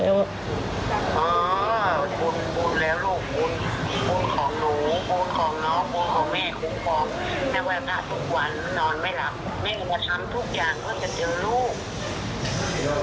อ๋อบุญแล้วลูกบุญบุญของหนูบุญของน้องบุญของแม่คุณบอก